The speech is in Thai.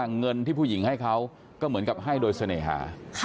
เงินที่ผู้หญิงให้เขาก็เหมือนกับให้โดยเสน่หา